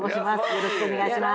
よろしくお願いします。